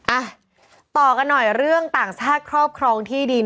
อ่ะต่อกันหน่อยเรื่องต่างชาติครอบครองที่ดิน